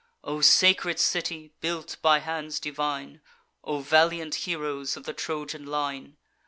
O sacred city, built by hands divine! O valiant heroes of the Trojan line!